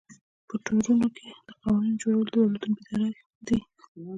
په تړونونو کې د قوانینو جوړول د دولتونو په اراده دي